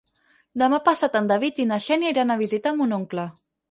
Demà passat en David i na Xènia iran a visitar mon oncle.